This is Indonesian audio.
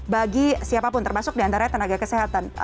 bagi siapapun termasuk diantaranya tenaga kesehatan